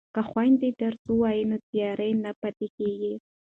که خویندې درس ووایي نو تیاره نه پاتې کیږي.